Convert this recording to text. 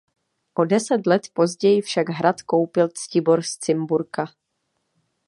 O deset let později však hrad koupil Ctibor z Cimburka.